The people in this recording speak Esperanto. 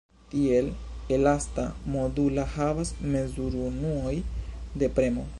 Tiel elasta modula havas mezurunuoj de premo.